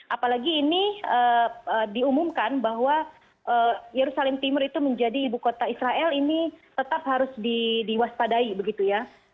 apalagi ini diumumkan bahwa yerusalem timur itu menjadi ibu kota israel ini tetap harus diwaspadai begitu ya